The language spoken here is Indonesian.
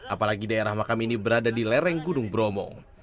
apalagi daerah makam ini berada di lereng gunung bromo